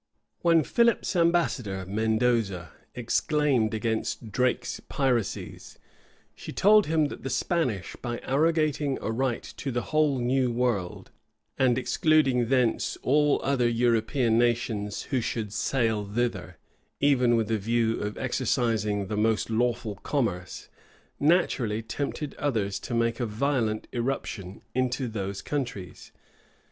When Philip's ambassador, Mendoza, exclaimed against Drake's piracies, she told him, that the Spaniards, by arrogating a right to the whole new world, and excluding thence all other European nations who should sail thither, even with a view of exercising the most lawful commerce, naturally tempted others to make a violent irruption into those countries.